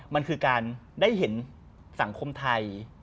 มันคือการได้เห็นสังคมไทย